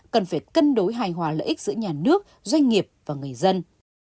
cần phải cân đối hài hòa lợi ích giữa nhà nước doanh nghiệp và người dân